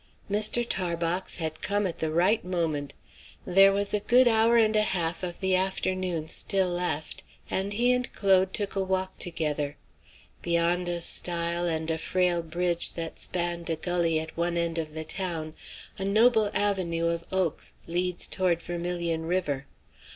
Mr. Tarbox had come at the right moment. There was a good hour and a half of the afternoon still left, and he and Claude took a walk together. Beyond a stile and a frail bridge that spanned a gully at one end of the town, a noble avenue of oaks leads toward Vermilion River.